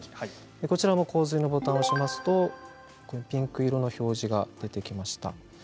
洪水のボタンを押すとピンク色の表示が出てきました。